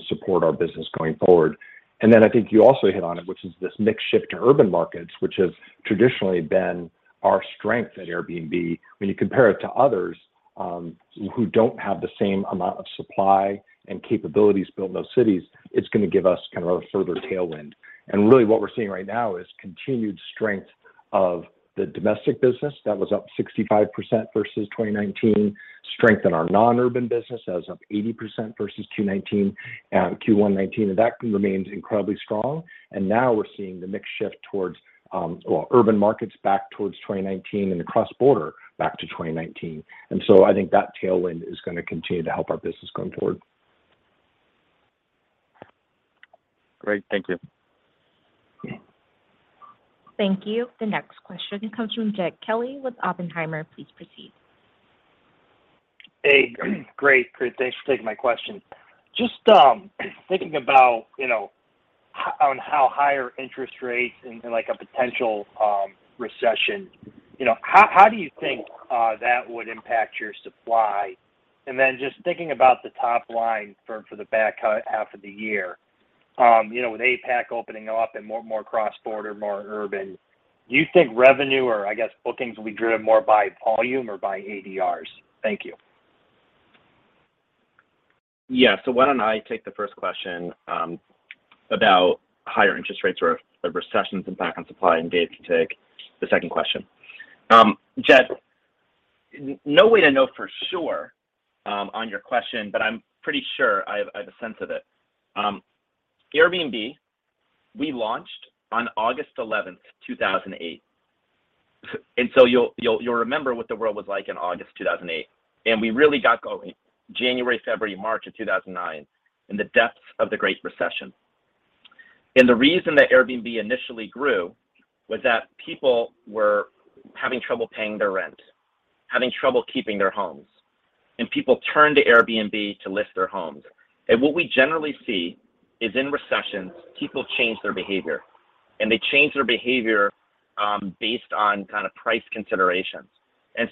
support our business going forward. I think you also hit on it, which is this mix shift to urban markets, which has traditionally been our strength at Airbnb. When you compare it to others, who don't have the same amount of supply and capabilities built in those cities, it's gonna give us kind of a further tailwind. Really what we're seeing right now is continued strength of the domestic business. That was up 65% versus 2019. Strength in our non-urban business. That was up 80% versus 2019, Q1 2019, and that remains incredibly strong. Now we're seeing the mix shift towards urban markets back towards 2019 and the cross border back to 2019. I think that tailwind is gonna continue to help our business going forward. Great. Thank you. Yeah. Thank you. The next question comes from Jed Kelly with Oppenheimer. Please proceed. Hey. Great. Thanks for taking my question. Just thinking about, you know, on how higher interest rates and like a potential recession, you know, how do you think that would impact your supply? Just thinking about the top line for the back half of the year, you know, with APAC opening up and more and more cross-border, more urban, do you think revenue or I guess bookings will be driven more by volume or by ADRs? Thank you. Yeah. Why don't I take the first question about higher interest rates or a recession's impact on supply, and Dave can take the second question. Jed, no way to know for sure on your question, but I'm pretty sure I have a sense of it. Airbnb, we launched on August 11, 2008. You'll remember what the world was like in August 2008. We really got going January, February, March of 2009, in the depths of the Great Recession. The reason that Airbnb initially grew was that people were having trouble paying their rent, having trouble keeping their homes, and people turned to Airbnb to list their homes. What we generally see is in recessions, people change their behavior based on kind of price considerations.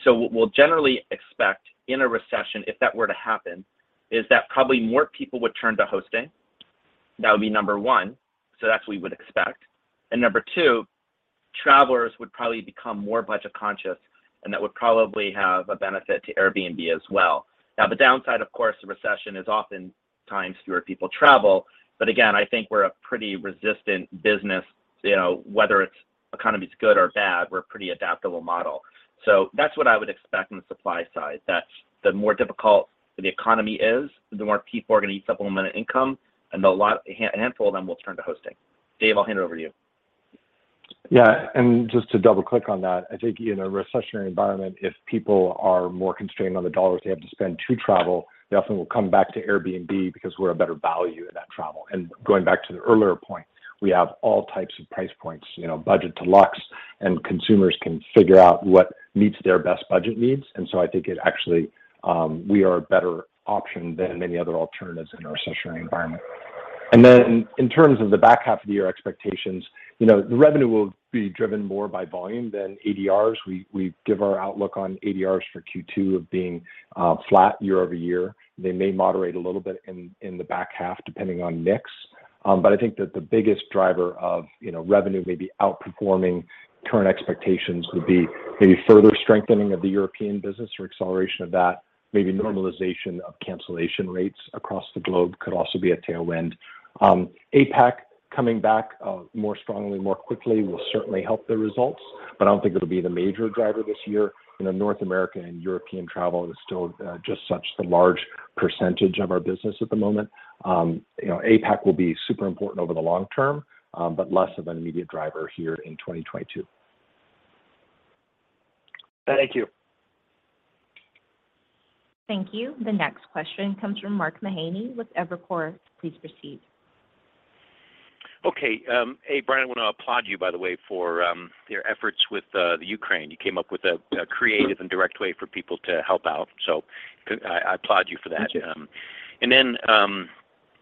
What we'll generally expect in a recession, if that were to happen, is that probably more people would turn to hosting. That would be number one. That's what we would expect. Number two, travelers would probably become more budget conscious. That would probably have a benefit to Airbnb as well. Now, the downside, of course, a recession is oftentimes fewer people travel, but again, I think we're a pretty resistant business, you know, whether it's economy's good or bad, we're a pretty adaptable model. That's what I would expect on the supply side, that the more difficult the economy is, the more people are gonna need supplemental income, and a lot, a handful of them will turn to hosting. Dave, I'll hand it over to you. Yeah. Just to double-click on that, I think in a recessionary environment, if people are more constrained on the dollars they have to spend to travel, they often will come back to Airbnb because we're a better value in that travel. Going back to the earlier point, we have all types of price points, you know, budget to luxe, and consumers can figure out what meets their best budget needs. I think it actually, we are a better option than many other alternatives in a recessionary environment. In terms of the back half of the year expectations, you know, the revenue will be driven more by volume than ADRs. We give our outlook on ADRs for Q2 of being flat year over year. They may moderate a little bit in the back half, depending on mix. I think that the biggest driver of, you know, revenue maybe outperforming current expectations would be maybe further strengthening of the European business or acceleration of that. Maybe normalization of cancellation rates across the globe could also be a tailwind. APAC coming back, more strongly, more quickly will certainly help the results, but I don't think it'll be the major driver this year. You know, North America and European travel is still, just such the large percentage of our business at the moment. You know, APAC will be super important over the long term, but less of an immediate driver here in 2022. Thank you. Thank you. The next question comes from Mark Mahaney with Evercore. Please proceed. Okay. Hey, Brian, I wanna applaud you, by the way, for your efforts with the Ukraine. You came up with a creative and direct way for people to help out. I applaud you for that. Thank you.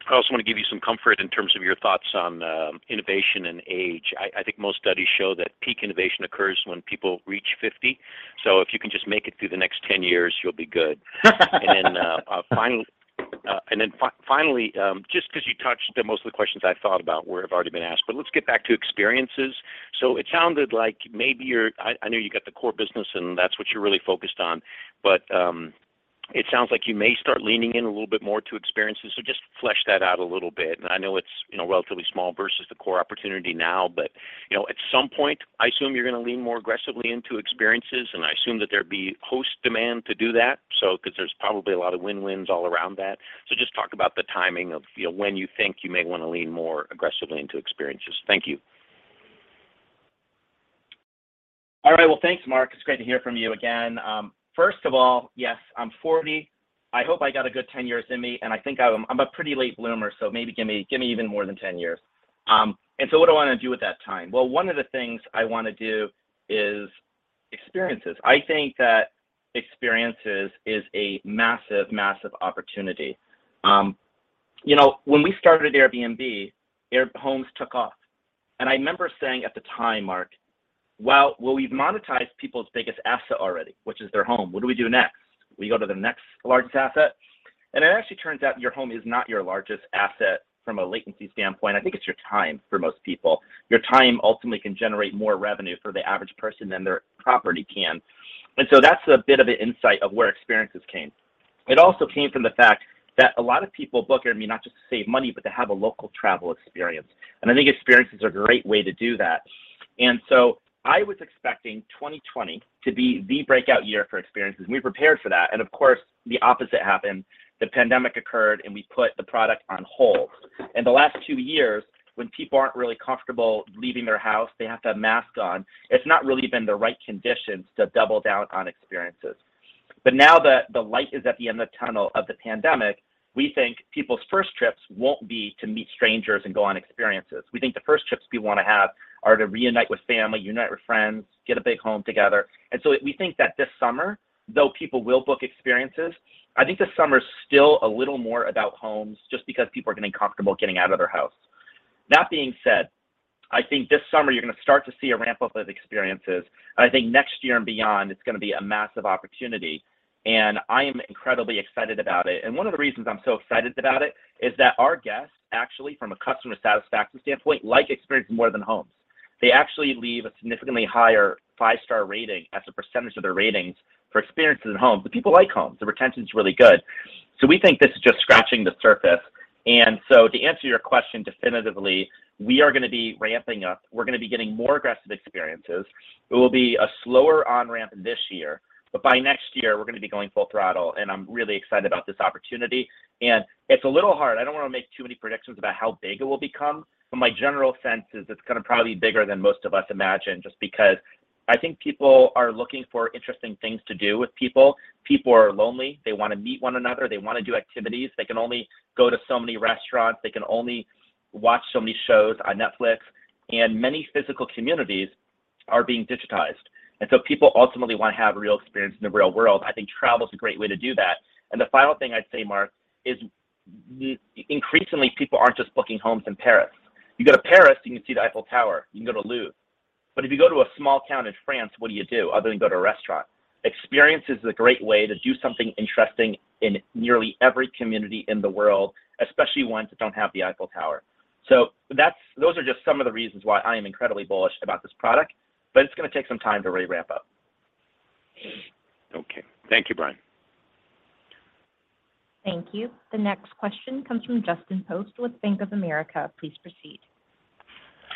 I also want to give you some comfort in terms of your thoughts on innovation and age. I think most studies show that peak innovation occurs when people reach 50, so if you can just make it through the next 10 years, you'll be good. Finally, just 'cause you touched on that most of the questions I thought about have already been asked, but let's get back to experiences. It sounded like maybe you're. I know you got the core business, and that's what you're really focused on, but it sounds like you may start leaning in a little bit more to experiences. Just flesh that out a little bit. I know it's, you know, relatively small versus the core opportunity now, but, you know, at some point, I assume you're gonna lean more aggressively into experiences, and I assume that there'd be host demand to do that, so 'cause there's probably a lot of win-wins all around that. Just talk about the timing of, you know, when you think you may wanna lean more aggressively into experiences. Thank you. All right. Well, thanks, Mark. It's great to hear from you again. First of all, yes, I'm 40. I hope I got a good 10 years in me, and I think I'm a pretty late bloomer, so maybe give me even more than 10 years. What do I wanna do with that time? Well, one of the things I wanna do is experiences. I think that experiences is a massive opportunity. You know, when we started Airbnb homes took off. I remember saying at the time, Mark, "Well, we've monetized people's biggest asset already, which is their home. What do we do next? We go to the next largest asset?" It actually turns out your home is not your largest asset from a latency standpoint. I think it's your time for most people. Your time ultimately can generate more revenue for the average person than their property can. That's a bit of an insight of where experiences came. It also came from the fact that a lot of people book Airbnb not just to save money, but to have a local travel experience, and I think experiences are a great way to do that. I was expecting 2020 to be the breakout year for experiences, and we prepared for that, and of course, the opposite happened. The pandemic occurred, and we put the product on hold. In the last two years, when people aren't really comfortable leaving their house, they have to have a mask on, it's not really been the right conditions to double down on experiences. Now that the light is at the end of the tunnel of the pandemic, we think people's first trips won't be to meet strangers and go on experiences. We think the first trips people wanna have are to reunite with family, unite with friends, get a big home together. We think that this summer, though people will book experiences, I think this summer is still a little more about homes just because people are getting comfortable getting out of their house. That being said, I think this summer you're gonna start to see a ramp-up of experiences, and I think next year and beyond, it's gonna be a massive opportunity, and I am incredibly excited about it. One of the reasons I'm so excited about it is that our guests actually, from a customer satisfaction standpoint, like experiences more than homes. They actually leave a significantly higher five-star rating as a percentage of their ratings for experiences than homes, but people like homes. The retention's really good. We think this is just scratching the surface. To answer your question definitively, we are gonna be ramping up. We're gonna be getting more aggressive experiences. It will be a slower on-ramp this year, but by next year, we're gonna be going full throttle, and I'm really excited about this opportunity. It's a little hard. I don't wanna make too many predictions about how big it will become, but my general sense is it's gonna probably be bigger than most of us imagine just because I think people are looking for interesting things to do with people. People are lonely. They wanna meet one another. They wanna do activities. They can only go to so many restaurants. They can only watch so many shows on Netflix, and many physical communities are being digitized. People ultimately wanna have a real experience in the real world. I think travel is a great way to do that. The final thing I'd say, Mark, is increasingly, people aren't just booking homes in Paris. You go to Paris, and you can see the Eiffel Tower. You can go to the Louvre. If you go to a small town in France, what do you do other than go to a restaurant? Experience is a great way to do something interesting in nearly every community in the world, especially ones that don't have the Eiffel Tower. Those are just some of the reasons why I am incredibly bullish about this product, but it's gonna take some time to really ramp up. Okay. Thank you, Brian. Thank you. The next question comes from Justin Post with Bank of America. Please proceed.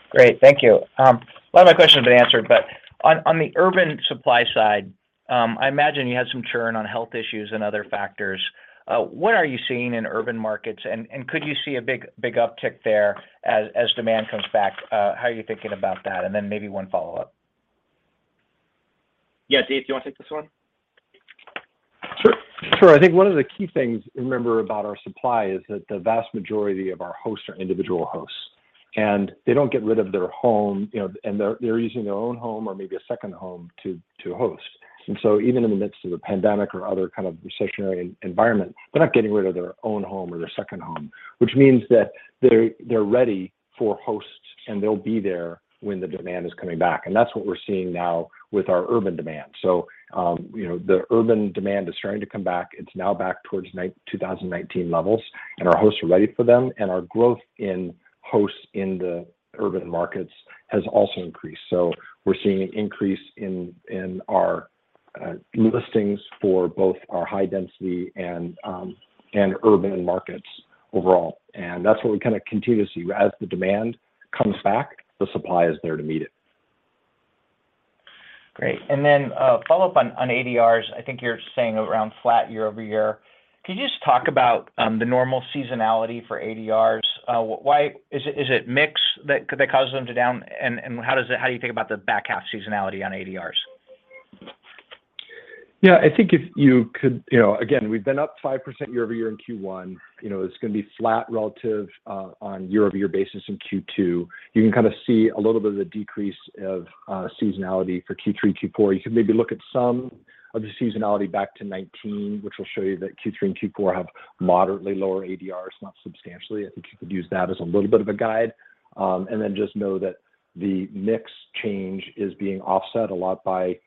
Great. Thank you. A lot of my questions have been answered, but on the urban supply side, I imagine you had some churn on health issues and other factors. What are you seeing in urban markets and could you see a big uptick there as demand comes back? How are you thinking about that? Then maybe one follow-up. Yeah. Dave, do you wanna take this one? Sure. I think one of the key things to remember about our supply is that the vast majority of our hosts are individual hosts, and they don't get rid of their home, you know, and they're using their own home or maybe a second home to host. Even in the midst of a pandemic or other kind of recessionary environment, they're not getting rid of their own home or their second home, which means that they're ready for hosts, and they'll be there when the demand is coming back. That's what we're seeing now with our urban demand. You know, the urban demand is starting to come back. It's now back towards 2019 levels, and our hosts are ready for them, and our growth in hosts in the urban markets has also increased. We're seeing an increase in our listings for both our high density and urban markets overall, and that's what we kinda continue to see. As the demand comes back, the supply is there to meet it. Great. Follow-up on ADRs. I think you're saying around flat year-over-year. Could you just talk about the normal seasonality for ADRs? Why is it mix that causes them to down, and how do you think about the back half seasonality on ADRs? Yeah. I think if you could. You know, again, we've been up 5% year-over-year in Q1. You know, it's gonna be flat relative on year-over-year basis in Q2. You can kind of see a little bit of the decrease of seasonality for Q3, Q4. You can maybe look at some of the seasonality back to 2019, which will show you that Q3 and Q4 have moderately lower ADRs, not substantially. I think you could use that as a little bit of a guide. Just know that the mix change is being offset a lot by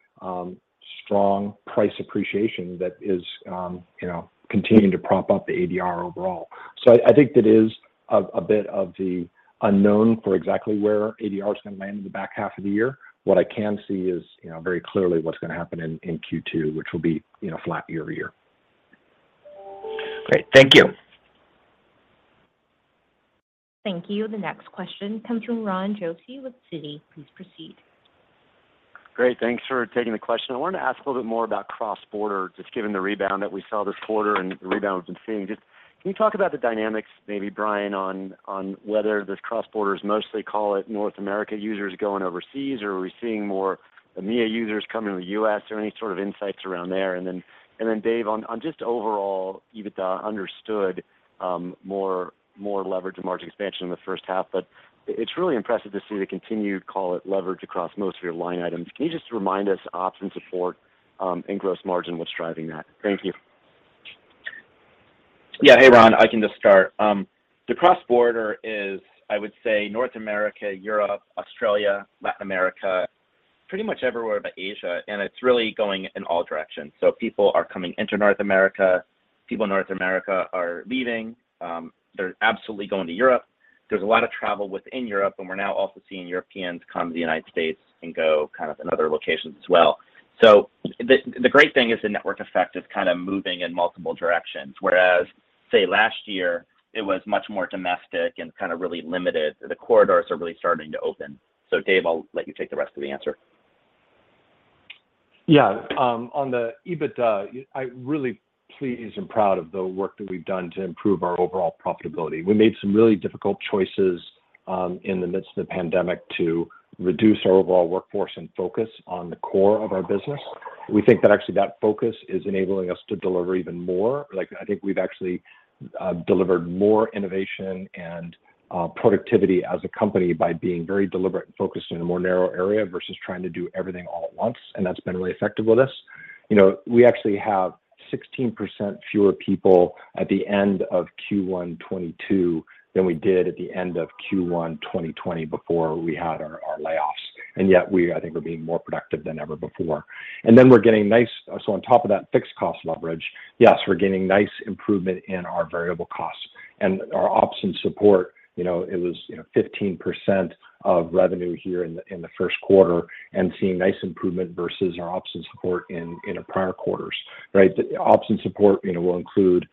strong price appreciation that is, you know, continuing to prop up the ADR overall. So I think that is a bit of the unknown for exactly where ADR is gonna land in the back half of the year. What I can see is, you know, very clearly what's gonna happen in Q2, which will be, you know, flat year-over-year. Great. Thank you. Thank you. The next question comes from Ron Josey with Citi. Please proceed. Great. Thanks for taking the question. I wanted to ask a little bit more about cross-border, just given the rebound that we saw this quarter and the rebound we've been seeing. Just can you talk about the dynamics, maybe Brian, on whether this cross-border is mostly, call it, North America users going overseas, or are we seeing more EMEA users coming to the US? Are there any sort of insights around there? And then Dave, on just overall EBITDA, understood more leverage and margin expansion in the first half, but it's really impressive to see the continued, call it, leverage across most of your line items. Can you just remind us ops and support and gross margin, what's driving that? Thank you. Yeah. Hey, Ron, I can just start. The cross-border is, I would say North America, Europe, Australia, Latin America, pretty much everywhere but Asia, and it's really going in all directions. People are coming into North America, people in North America are leaving, they're absolutely going to Europe. There's a lot of travel within Europe, and we're now also seeing Europeans come to the United States and go, kind of, in other locations as well. The great thing is the network effect is kind of moving in multiple directions, whereas say last year, it was much more domestic and kind of really limited. The corridors are really starting to open. Dave, I'll let you take the rest of the answer. Yeah. On the EBITDA, I'm really pleased and proud of the work that we've done to improve our overall profitability. We made some really difficult choices, in the midst of the pandemic to reduce our overall workforce and focus on the core of our business. We think that actually that focus is enabling us to deliver even more. Like, I think we've actually delivered more innovation and productivity as a company by being very deliberate and focused in a more narrow area versus trying to do everything all at once, and that's been really effective with us. You know, we actually have 16% fewer people at the end of Q1 2022 than we did at the end of Q1 2020 before we had our layoffs, and yet we, I think we're being more productive than ever before. We're getting nice improvement in our variable costs. On top of that fixed cost leverage, yes, we're getting nice improvement in our variable costs. Our ops and support, you know, it was, you know, 15% of revenue here in the first quarter and seeing nice improvement versus our ops and support in the prior quarters, right? The ops and support, you know, will include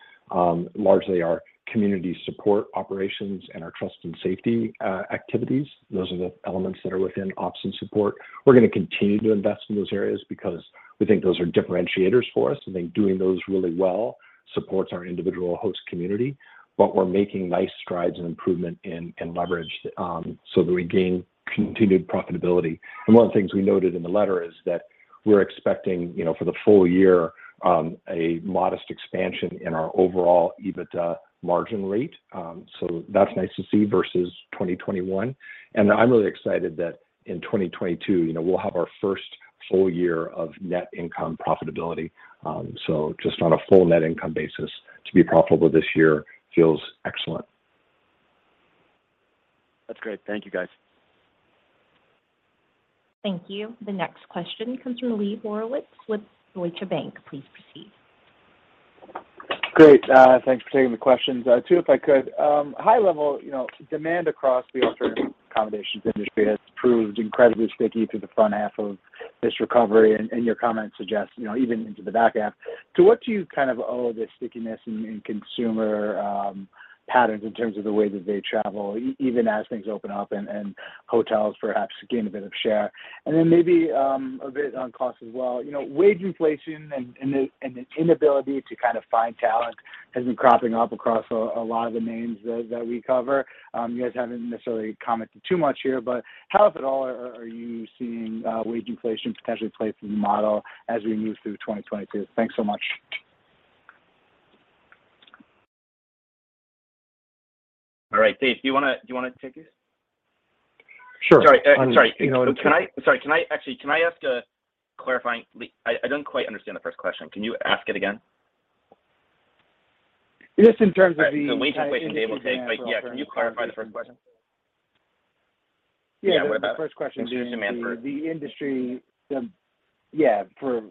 largely our community support operations and our trust and safety activities. Those are the elements that are within ops and support. We're gonna continue to invest in those areas because we think those are differentiators for us, and I think doing those really well supports our individual host community. We're making nice strides and improvement in leverage so that we gain continued profitability. One of the things we noted in the letter is that we're expecting, you know, for the full year, a modest expansion in our overall EBITDA margin rate. That's nice to see versus 2021. I'm really excited that in 2022, you know, we'll have our first full of net income profitability. Just on a full net income basis, to be profitable this year feels excellent. That's great. Thank you, guys. Thank you. The next question comes from Lee Horowitz with Deutsche Bank. Please proceed. Great. Thanks for taking the questions. Two if I could. High level, you know, demand across the alternative accommodations industry has proved incredibly sticky through the front half of this recovery. Your comments suggest, you know, even into the back half. To what do you kind of owe this stickiness in consumer patterns in terms of the way that they travel even as things open up and hotels perhaps gain a bit of share? Maybe a bit on cost as well. You know, wage inflation and the inability to kind of find talent has been cropping up across a lot of the names that we cover. You guys haven't necessarily commented too much here, but how, if at all, are you seeing wage inflation potentially play through the model as we move through 2022? Thanks so much. All right. Dave, do you wanna take this? Sure. Sorry. You know what? Sorry, actually, Lee, I didn't quite understand the first question. Can you ask it again? Just in terms of the The wage inflation they are able to take. Yeah, can you clarify the first question? Yeah. What about consumer demand for- The first question is the industry. Yeah, for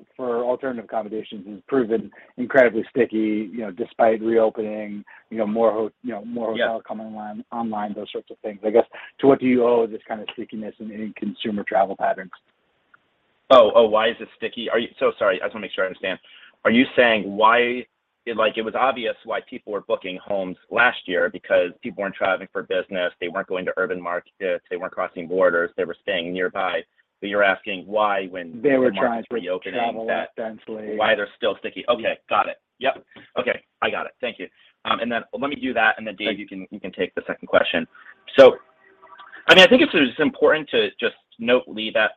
alternative accommodations has proven incredibly sticky, you know, despite reopening. You know, more hotels. Yeah Coming online, those sorts of things. I guess, to what do you owe this kind of stickiness in any consumer travel patterns? Why is it sticky? So sorry, I just wanna make sure I understand. Like, it was obvious why people were booking homes last year because people weren't traveling for business, they weren't going to urban markets, they weren't crossing borders, they were staying nearby. You're asking why when urban markets are reopening. They were trying to travel less densely. Why they're still sticky. Okay, got it. Yep. Okay, I got it. Thank you. And then let me do that, and then Dave, you can take the second question. I mean, I think it's just important to just note, Lee, that,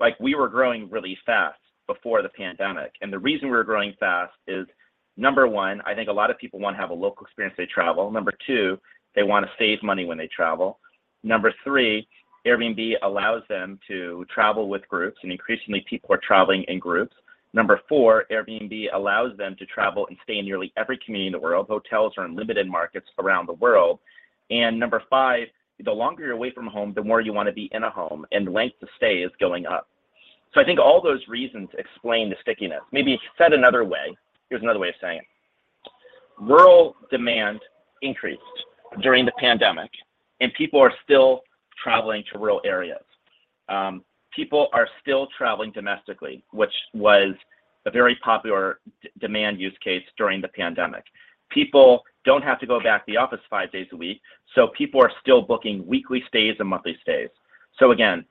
like, we were growing really fast before the pandemic. The reason we were growing fast is, number one, I think a lot of people wanna have a local experience when they travel. Number two, they wanna save money when they travel. Number three, Airbnb allows them to travel with groups, and increasingly, people are traveling in groups. Number four, Airbnb allows them to travel and stay in nearly every community in the world. Hotels are in limited markets around the world. Number five, the longer you're away from home, the more you wanna be in a home, and length of stay is going up. I think all those reasons explain the stickiness. Maybe said another way, here's another way of saying it. Rural demand increased during the pandemic, and people are still traveling to rural areas. People are still traveling domestically, which was a very popular demand use case during the pandemic. People don't have to go back to the office five days a week, so people are still booking weekly stays and monthly stays. Again,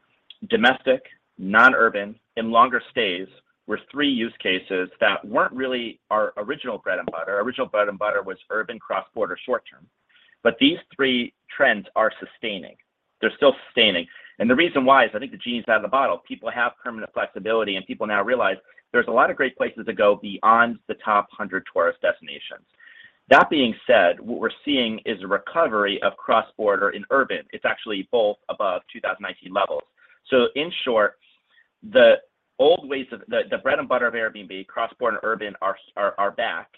domestic, non-urban, and longer stays were three use cases that weren't really our original bread and butter. Our original bread and butter was urban, cross-border, short-term. These three trends are sustaining. They're still sustaining. The reason why is I think the genie's out of the bottle. People have permanent flexibility, and people now realize there's a lot of great places to go beyond the top 100 tourist destinations. That being said, what we're seeing is a recovery of cross-border in urban. It's actually both above 2019 levels. In short, the bread and butter of Airbnb, cross-border, urban are back,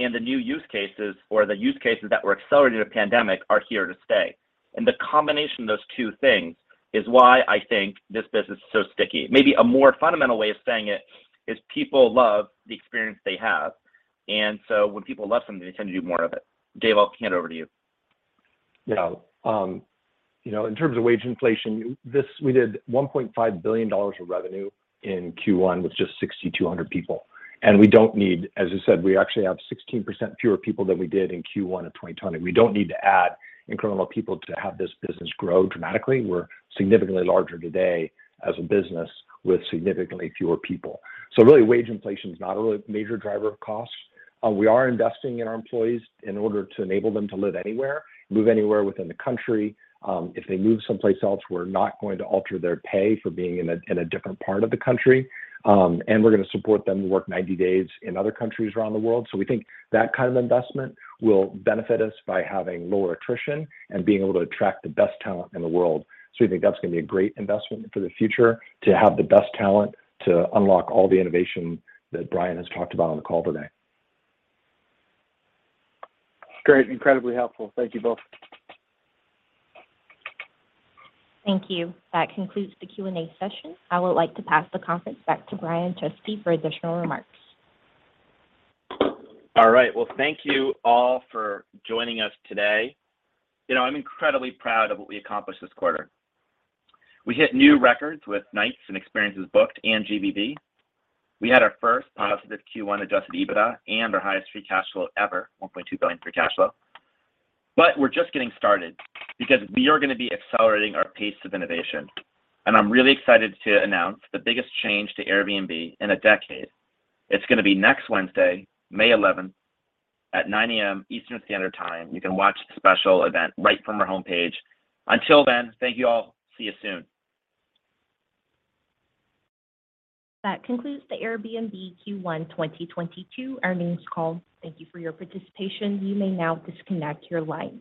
and the new use cases or the use cases that were accelerated in the pandemic are here to stay. The combination of those two things is why I think this business is so sticky. Maybe a more fundamental way of saying it is people love the experience they have, and so when people love something, they tend to do more of it. Dave, I'll hand it over to you. You know, in terms of wage inflation, we did $1.5 billion of revenue in Q1 with just 6,200 people, and we don't need. As I said, we actually have 16% fewer people than we did in Q1 of 2020. We don't need to add incremental people to have this business grow dramatically. We're significantly larger today as a business with significantly fewer people. Really, wage inflation is not a really major driver of costs. We are investing in our employees in order to enable them to live anywhere, move anywhere within the country. If they move someplace else, we're not going to alter their pay for being in a different part of the country. We're gonna support them to work 90 days in other countries around the world. We think that kind of investment will benefit us by having lower attrition and being able to attract the best talent in the world. We think that's gonna be a great investment for the future to have the best talent to unlock all the innovation that Brian has talked about on the call today. Great. Incredibly helpful. Thank you both. Thank you. That concludes the Q&A session. I would like to pass the conference back to Brian Chesky for additional remarks. All right. Well, thank you all for joining us today. You know, I'm incredibly proud of what we accomplished this quarter. We hit new records with nights and experiences booked and GBV. We had our first positive Q1 Adjusted EBITDA and our highest free cash flow ever, $1.2 billion free cash flow. We're just getting started because we are gonna be accelerating our pace of innovation, and I'm really excited to announce the biggest change to Airbnb in a decade. It's gonna be next Wednesday, May eleventh at 9:00 A.M. Eastern Standard Time. You can watch the special event right from our homepage. Until then, thank you all. See you soon. That concludes the Airbnb Q1 2022 earnings call. Thank you for your participation. You may now disconnect your line.